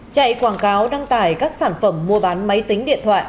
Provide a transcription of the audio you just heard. chạy quảng cáo đăng tải các sản phẩm mua bán máy tính điện thoại